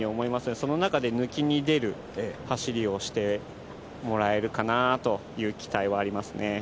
この中で抜きに出る走りをしてもらえるかなという期待もあります。